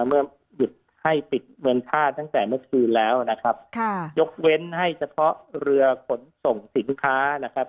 เมื่อหยุดให้ปิดเงินค่าตั้งแต่เมื่อคืนแล้วนะครับค่ะยกเว้นให้เฉพาะเรือขนส่งสินค้านะครับ